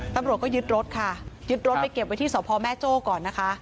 ตำรวจก็ยึดรถค่ะยึดรถไปเก็บไว้ที่สพแม่โจ้ก่อนนะคะ